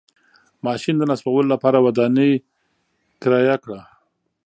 ماشین د نصبولو لپاره ودانۍ کرایه کړه.